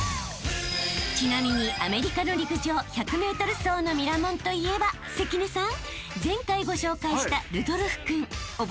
［ちなみにアメリカの陸上１００ｍ走のミラモンといえば関根さん前回ご紹介したルドルフ君覚えていますか？］